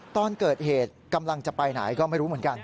ตอนเกิดเหตุกำลังจะไปไหนก็ไม่รู้เหมือนกัน